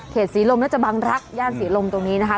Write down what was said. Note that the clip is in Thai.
ศรีลมน่าจะบังรักย่านศรีลมตรงนี้นะคะ